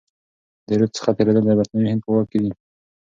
د رود څخه تیریدل د برتانوي هند په واک کي دي.